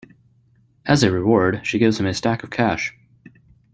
As a reward, she gives him a stack of cash.